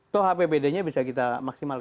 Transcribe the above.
toh apbd nya bisa kita maksimalkan